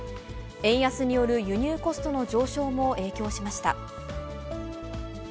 円安による輸入コストの上昇も影響しました。